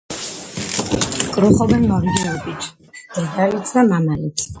კრუხობენ მორიგეობით, დედალიც და მამალიც.